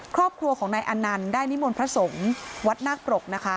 ครอบครัวของนายอนันต์ได้นิมนต์พระสงฆ์วัดนาคปรกนะคะ